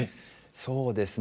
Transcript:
そうですね。